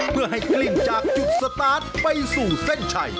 เพื่อให้กลิ้งจากจุดสตาร์ทไปสู่เส้นชัย